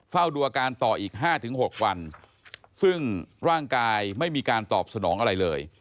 เฝ้าดูอาการต่ออีก๕๖วันซึ่งร่างกายไม่มีการตอบสนองอะไรเลย